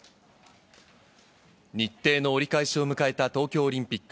日程の折り返しを迎えた東京オリンピック。